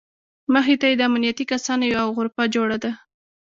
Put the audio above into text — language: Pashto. مخې ته یې د امنیتي کسانو یوه غرفه جوړه ده.